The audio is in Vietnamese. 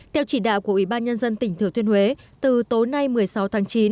theo chỉ đạo của ủy ban nhân dân tỉnh thừa thuyên huế từ tối nay một mươi sáu tháng chín